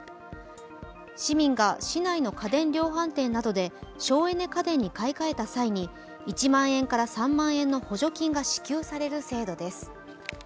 市民が市内の家電量販店などで省エネ家電に買い替えた際に１万円から３万円の補助金が支給される制度です。